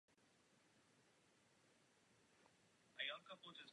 Následuje doleva Ulice Vysočanská a později doprava ulice Stoupající.